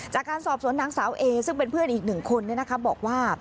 จากการสอบสวนนางสาวเอซึ่งเป็นเพื่อนอีกหนึ่งคนบอกว่า